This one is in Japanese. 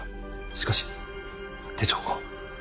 しかし手帳を。